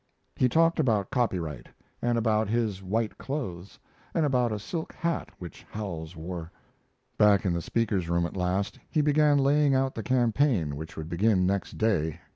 He talked about copyright, and about his white clothes, and about a silk hat which Howells wore. Back in the Speaker's room, at last, he began laying out the campaign, which would begin next day.